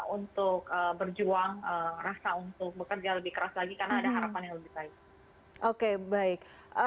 untuk berjuang rasa untuk bekerja lebih keras lagi karena ada harapan yang lebih baik oke baik